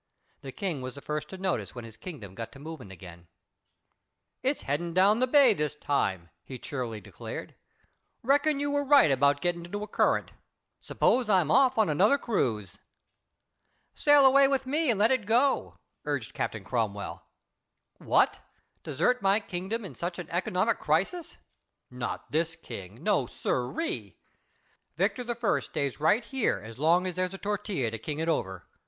The King was the first to notice when his kingdom got to moving again. "It's headin' down the bay this time," he cheerily declared. "Reckon you were right about getting into a current. S'pose I'm off on another cruise." "Sail away with me, and let it go," urged Captain Cromwell. "What! desert my kingdom in such a economic crisis! Not this King. No, siree. Victor I. stays right here as long as there's a Tortilla to king it over.